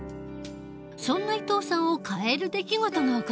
そんな伊藤さんを変える出来事が起こった。